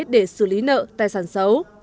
để xử lý nợ tài sản xấu